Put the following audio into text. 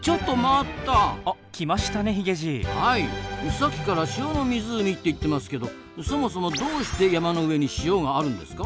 さっきから塩の湖って言ってますけどそもそもどうして山の上に塩があるんですか？